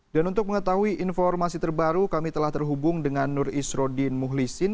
dan untuk mengetahui informasi terbaru kami telah terhubung dengan nur isrodin muhlisin